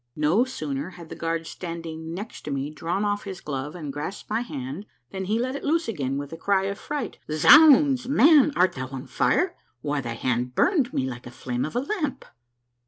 No sooner had the guard standing next me drawn off his glove and grasped my hand, than he let it loose again with a cry of fright. " Zounds ! Man, art thou on fire ? Why, thy hand burned me like the flame of a lamp